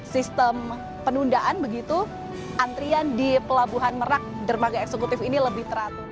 sistem penundaan begitu antrian di pelabuhan merak dermaga eksekutif ini lebih teratur